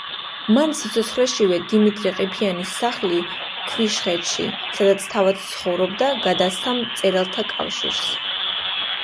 მან სიცოცხლეშივე დიმიტრი ყიფიანის სახლი ქვიშხეთში, სადაც თავად ცხოვრობდა, გადასცა მწერალთა კავშირს.